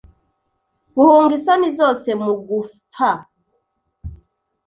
Guhunga isoni zose mugupfa